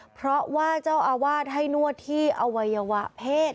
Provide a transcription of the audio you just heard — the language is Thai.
เพราะว่าเจ้าอาวาสให้นวดที่อวัยวะเพศ